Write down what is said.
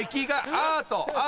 アート！